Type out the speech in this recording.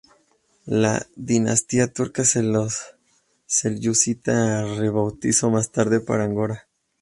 La dinastía turca de los Selyúcidas la rebautizó más tarde como Angora.